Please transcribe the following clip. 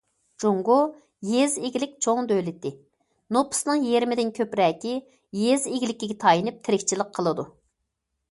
جۇڭگو يېزا ئىگىلىك چوڭ دۆلىتى، نوپۇسىنىڭ يېرىمىدىن كۆپرەكى يېزا ئىگىلىكىگە تايىنىپ تىرىكچىلىك قىلىدۇ.